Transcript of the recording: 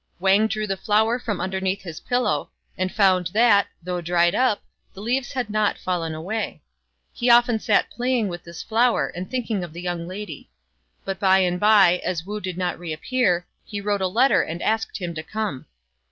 Wang drew the flower from under neath his pillow, and found that, though dried up, the leaves had not fallen away. He often sat playing with this flower and thinking of the young lady ; but by and by, as Wu did not reappear, he wrote a letter and asked him to come.